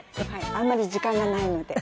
あんまり時間がないので。